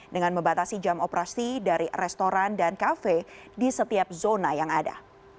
dengan membatasi jam operasi dari restoran dan kafe di setiap zona yang ada